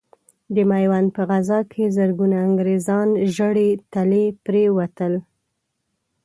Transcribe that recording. د ميوند په غزا کې زرګونه انګرېزان ژړې تلې پرې وتل.